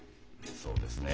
そうですね。